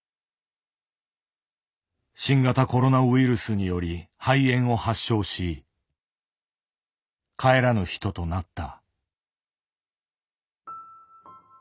新型コロナウイルスにより肺炎を発症し帰らぬ人となった。